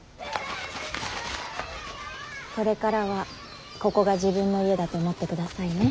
これからはここが自分の家だと思ってくださいね。